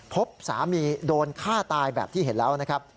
พบสามีโดนฆ่าตายแบบที่เห็นแล้วนะครับ